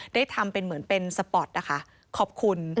ได้ทำเป็นเหมือนเป็นสปอร์ตนะคะขอบคุณ